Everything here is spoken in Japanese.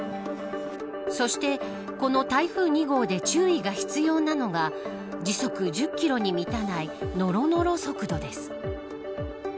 そして、この台風２号で注意が必要なのが時速１０キロに満たないのろのろ速度です。